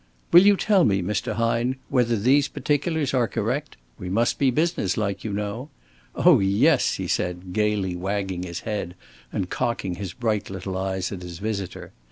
"Will you tell me, Mr. Hine, whether these particulars are correct? We must be business like, you know. Oh yes," he said, gaily wagging his head and cocking his bright little eyes at his visitor.